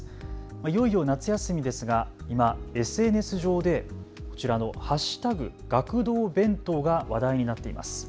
いよいよ夏休みですが今、ＳＮＳ上でこちらの＃学童弁当が話題になっています。